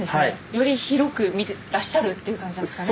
より広く見てらっしゃるっていう感じなんですかね。